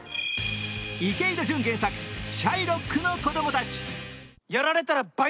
池井戸潤原作「シャイロックの子供たち」